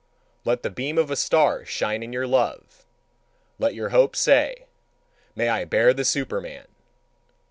Let the beam of a star shine in your love! Let your hope say: "May I bear the Superman!"